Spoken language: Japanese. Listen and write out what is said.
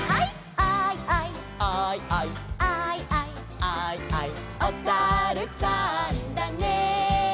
「アイアイ」「アイアイ」「アイアイ」「アイアイ」「おさるさんだね」